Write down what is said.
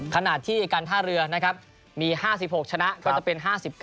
ขณะที่การท่าเรือนะครับมี๕๖ชนะก็จะเป็น๕๘